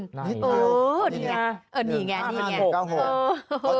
นี่ไงนี่ไงนี่ไง